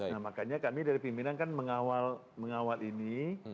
nah makanya kami dari pimpinan kan mengawal ini